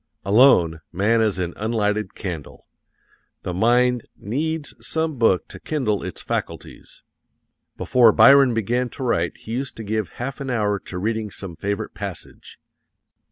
Alone, man is an unlighted candle. The mind needs some book to kindle its faculties. Before Byron began to write he used to give half an hour to reading some favorite passage.